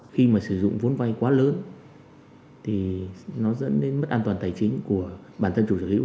khi mà sử dụng vốn vay quá lớn thì nó dẫn đến mất an toàn tài chính của bản thân chủ sở hữu